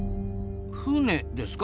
船ですか？